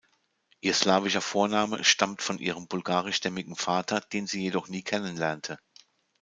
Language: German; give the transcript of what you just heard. Ihr slawischer Vorname stammt von ihrem bulgarisch-stämmigen Vater, den sie jedoch nie kennenlernte.